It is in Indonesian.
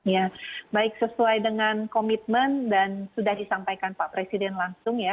ya baik sesuai dengan komitmen dan sudah disampaikan pak presiden langsung ya